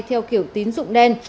theo kiểu tín dụng đen